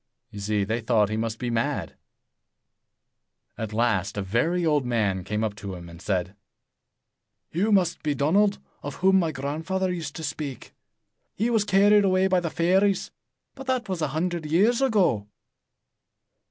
You see, they thought he must be mad. At last, a very old man came up to him and said, "You must be that Donald of whom my grandfather used to speak. He was carried away by the fairies; but that was a hundred years ago."